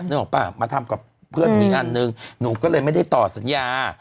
นึกออกป่ะมาทำกับเพื่อนหนูอีกอันนึงหนูก็เลยไม่ได้ต่อสัญญา